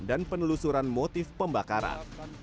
dan penelusuran motif pembakaran